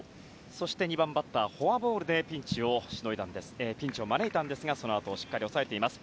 そして２番バッターにはフォアボールでピンチを招いたんですがそのあとをしっかり抑えています。